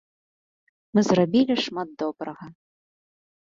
Мы зрабілі шмат добрага.